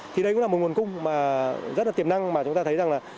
thì đây cũng là một nguồn cung rất tiềm năng mà chúng ta thấy rằng là